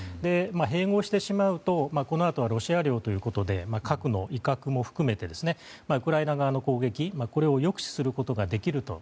併合してしまうとこのあとはロシア領ということで核の威嚇も含めてウクライナ側の攻撃を抑止することができると。